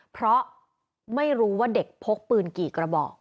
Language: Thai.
เพราะไม่รู้ว่าเด็กพกปืนกี่กระบอก